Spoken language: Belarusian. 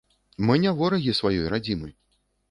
Мы не ворагі сваёй радзімы.